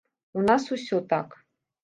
У нас усё так.